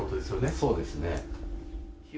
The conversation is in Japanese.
そうですね。